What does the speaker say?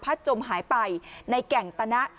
จมหายไปในแก่งตนะ